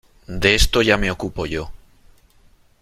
de esto ya me ocupo yo .